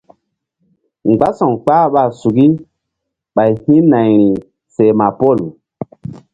Mgbása̧w kpah ɓa suki ɓay hi̧nayri seh ma pol.